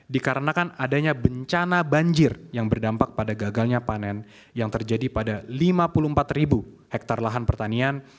dikarenakan adanya bencana banjir yang berdampak pada gagalnya panen yang terjadi pada lima puluh empat ribu hektare lahan pertanian